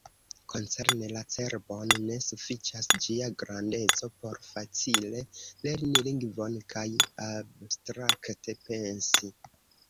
Koncerne la cerbon, ne sufiĉas ĝia grandeco por facile lerni lingvon kaj abstrakte pensi.